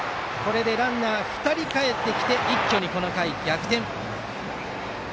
ランナーが２人かえってきて一挙にこの回で逆転。